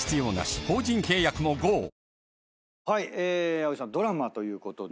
葵さんドラマということで。